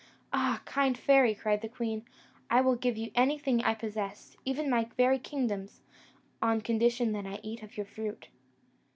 'Ah! kind fairy,' cried the queen, 'I will give you anything that I possess, even my very kingdoms, on condition that I eat of your fruit.'